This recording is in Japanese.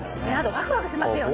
ワクワクしますよね。